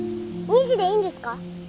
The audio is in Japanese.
２時でいいんですか？